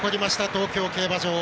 東京競馬場。